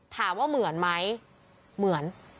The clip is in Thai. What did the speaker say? ถามว่าเหมือนไหมเหมือน